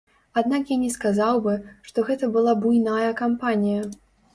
Аднак я не сказаў бы, што гэта была буйная кампанія.